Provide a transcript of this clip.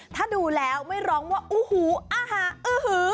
ถ้าดูแล้วไม่ร้องว่าโอ้โหอาหารอื้อหือ